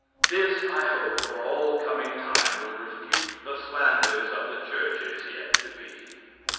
This, I hope, for all coming time will refute the slanders of the churches yet to be.